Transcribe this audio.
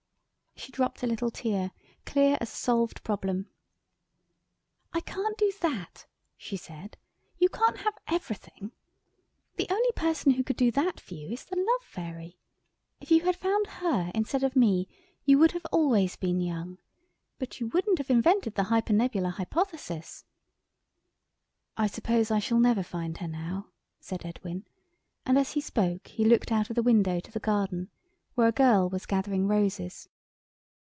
She dropped a little tear, clear as a solved problem. "I can't do that," she said. "You can't have everything. The only person who could do that for you is the Love Fairy. If you had found her instead of me you would have been always young, but you wouldn't have invented the Hypernebular Hypothesis." "I suppose I shall never never find her now?" said Edwin, and as he spoke he looked out of the window to the garden, where a girl was gathering roses.